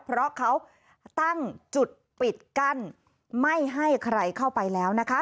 เพราะเขาตั้งจุดปิดกั้นไม่ให้ใครเข้าไปแล้วนะคะ